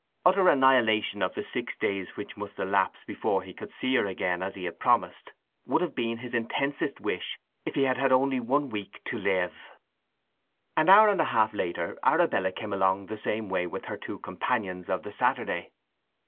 Utter annihilation of the six days which must elapse before he could see her again as he had promised would have been his intensest wish if he had had only the week to live. An hour and a half later Arabella came along the same way with her two companions of the Saturday.